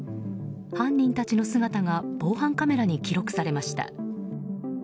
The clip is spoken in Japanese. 犯人たちの姿が防犯カメラに記録されました。